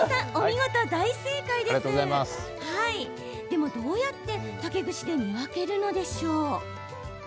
でも、どうやって竹串で見分けるのでしょうか？